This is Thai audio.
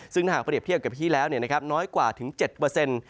ซึ่งหากเปรียบเทียบกับที่แล้วน้อยกว่าถึง๗เปอร์เซ็นต์